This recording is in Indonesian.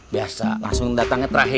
biasa langsung datangnya terakhir